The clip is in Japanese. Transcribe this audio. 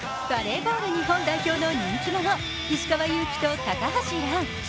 バレーボール日本代表の人気者、石川祐希と高橋藍。